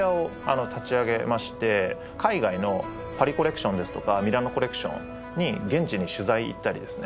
海外のパリコレクションですとかミラノコレクションに現地に取材行ったりですね